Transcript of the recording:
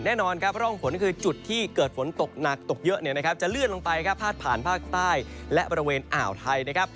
แน่นอนครับร่องฝนคือจุดที่เกิดฝนตกหนักตกเยอะจะเลื่อนลงไปพาดผ่านภาคใต้และบริเวณอ่าวไทยนะครับ